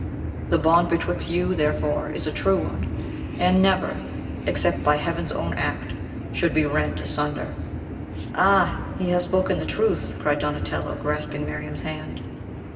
The bond betwixt you, therefore, is a true one, and never except by Heaven's own act should be rent asunder." "Ah; he has spoken the truth!" cried Donatello, grasping Miriam's hand.